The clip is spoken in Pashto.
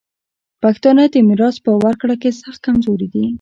پښتانه د میراث په ورکړه کي سخت کمزوري دي.